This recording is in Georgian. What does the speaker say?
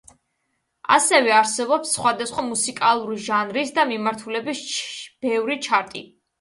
ასევე არსებობს სხვადასხვა მუსიკალური ჟანრის და მიმართულების ბევრი ჩარტი.